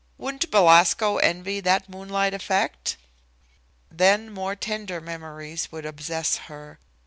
Wouldn't Belasco envy that moonlight effect?" Then more tender memories would obsess her.